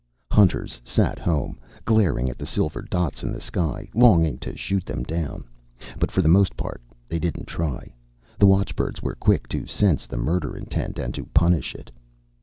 Hunters sat home, glaring at the silver dots in the sky, longing to shoot them down. But for the most part, they didn't try. The watchbirds were quick to sense the murder intent and to punish it.